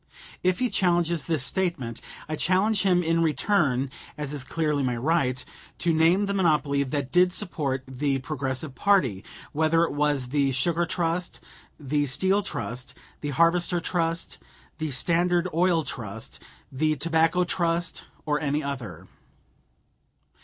If he challenges this statement, I challenge him in return (as is clearly my right) to name the monopoly that did support the Progressive party, whether it was the Sugar Trust, the Steel Trust, the Harvester Trust, the Standard Oil Trust, the Tobacco Trust, or any other.